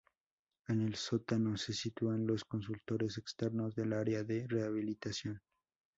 En el sótano se sitúan los consultorios externos del área de rehabilitación.